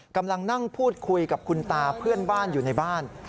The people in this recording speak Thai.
กำลังนั่งพูดคุยกับคุณตาเพื่อนบ้านอยู่ในบ้าน